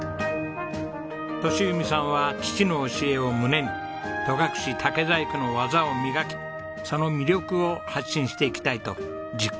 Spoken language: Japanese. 利文さんは父の教えを胸に戸隠竹細工の技を磨きその魅力を発信していきたいと実家を改装。